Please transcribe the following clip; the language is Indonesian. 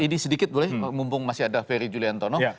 ini sedikit boleh mumpung masih ada ferry juliantono